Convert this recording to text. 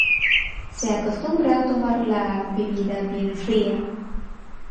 Se acostumbra tomar la bebida bien fría.